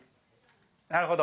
なるほど。